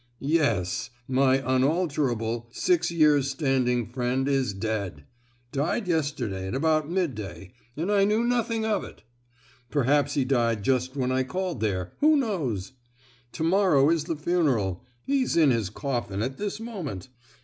"Yes—my unalterable—six years standing friend is dead!—died yesterday at about mid day, and I knew nothing of it! Perhaps he died just when I called there—who knows? To morrow is the funeral! he's in his coffin at this moment!